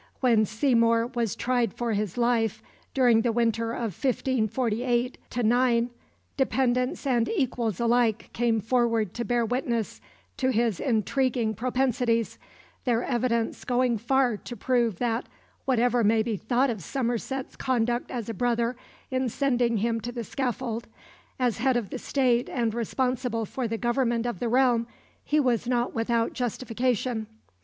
When Seymour was tried for his life during the winter of 1548 9, dependants and equals alike came forward to bear witness to his intriguing propensities, their evidence going far to prove that, whatever may be thought of Somerset's conduct as a brother in sending him to the scaffold, as head of the State and responsible for the government of the realm, he was not without justification.